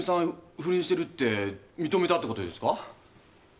不倫してるって認めたってことですか？